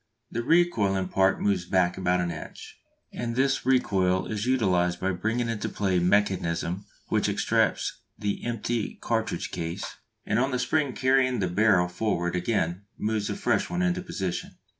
The recoiling part moves back about an inch, and this recoil is utilised by bringing into play mechanism which extracts the empty cartridge case, and on the spring carrying the barrel forward again moves a fresh one into position.